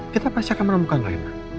kita pasti akan menemukan lainnya